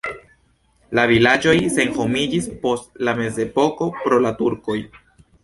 La vilaĝoj senhomiĝis post la mezepoko pro la turkoj.